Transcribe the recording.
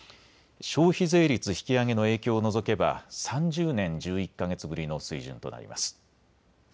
消費税率引き上げの影響を除けば３０年１１か月ぶりの水準となります。